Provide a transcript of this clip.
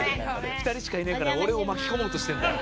２人しかいないから俺を巻き込もうとしてる。